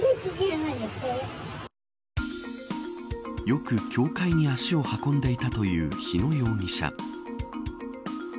よく教会に足を運んでいたという日野容疑者。